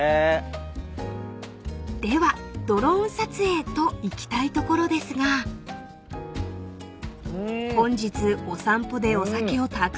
［ではドローン撮影といきたいところですが本日お散歩でお酒をたくさん頂いたので］